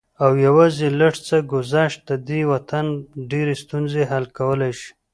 او يوازې لږ څه ګذشت د دې وطن ډېرې ستونزې حل کولی شي